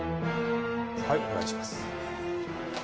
はいお願いします。